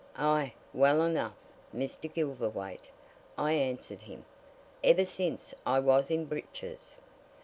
"Aye! well enough, Mr. Gilverthwaite," I answered him. "Ever since I was in breeches!"